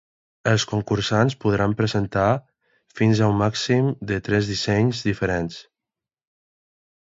Els concursants podran presentar fins a un màxim de tres dissenys diferents.